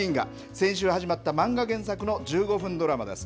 先週始まった漫画原作の１５分ドラマです。